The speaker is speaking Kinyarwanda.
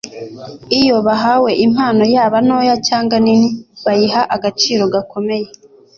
iyo bahawe impano yaba ntoya cyangwa nini, babiha agaciro gakomeye